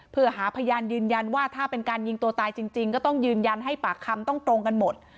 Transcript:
เพื่อหาพยานยืนยันว่าถ้าเป็นการยิงตัวตายจริงก็ต้องยืนยันให้ปากคำต้องตรงกันหมด